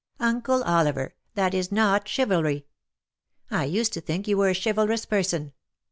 Uncle Oliver, that is not chivalry. I used to think you were a chivalrous person."